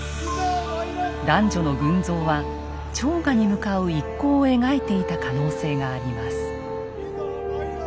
男女の群像は朝賀に向かう一行を描いていた可能性があります。